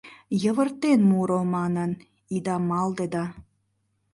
«Йывыртен муро!» манын ида малде да